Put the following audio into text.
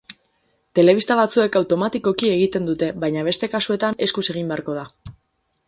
Telebista batzuek automatikoki egiten dute, baina beste kasuetan eskuz egin beharko da.